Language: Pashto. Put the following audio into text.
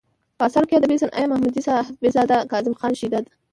په اثارو کې ادبي صنايع ، محمدي صاحبزداه ،کاظم خان شېدا دى.